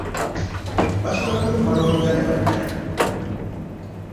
Basobola n'okumala okulya ne badda.